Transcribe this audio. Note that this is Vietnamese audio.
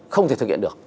không thể thực hiện được